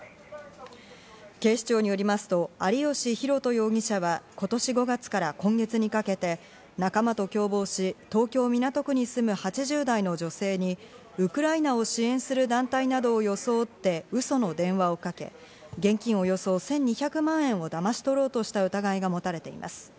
警視庁によりますと、有吉大斗容疑者は、今年５月から今月にかけて仲間と共謀し、東京・港区に住む８０代の女性にウクライナを支援する団体などを装って嘘の電話をかけ、現金およそ１２００万円をだまし取ろうとした疑いが持たれています。